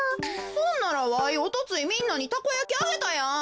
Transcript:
そんならわいおとついみんなにたこやきあげたやん。